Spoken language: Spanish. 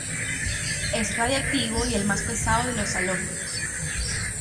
Es radiactivo y el más pesado de los halógenos.